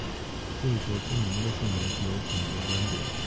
对左丘明的姓名有很多观点。